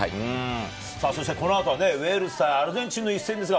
この後はウェールズ対アルゼンチンの一戦です。